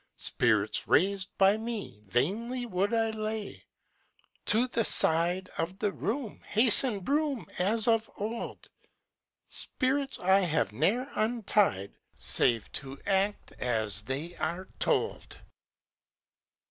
Spirits raised by me Vainly would I lay! "To the side Of the room Hasten, broom, As of old! Spirits I have ne'er untied Save to act as they are told."